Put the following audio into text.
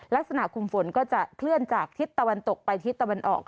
ลักษณะกลุ่มฝนก็จะเคลื่อนจากทิศตะวันตกไปทิศตะวันออก